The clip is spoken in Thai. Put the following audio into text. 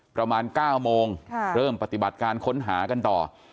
ประมาณ๙โมงเริ่มปฏิบัติการค้นหากันต่อ